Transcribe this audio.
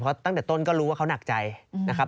เพราะตั้งแต่ต้นก็รู้ว่าเขาหนักใจนะครับ